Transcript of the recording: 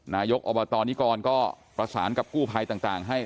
นายกอบตนิกรก็ประสานกับกู้ภัยต่างให้